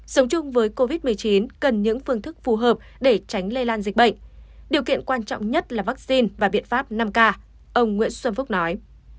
sống chung với covid một mươi chín cần những phương thức phù hợp để tránh lây lan dịch bệnh điều kiện quan trọng nhất là vaccine và biện pháp năm k ông nguyễn xuân phúc nói